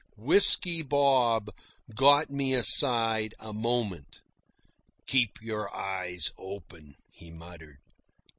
Whisky Bob got me aside a moment. "Keep your eyes open," he muttered.